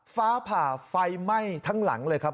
ฟ้าผ่าไฟไหม้ทั้งหลังเลยครับ